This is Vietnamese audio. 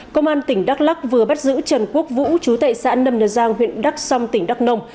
công an tỉnh đắk lắc vừa bắt giữ trần quốc vũ chú tệ xã nâm nờ giang huyện đắk song tỉnh đắk nông